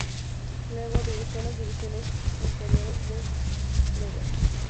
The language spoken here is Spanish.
Luego, dirigió las divisiones inferiores de Newell's.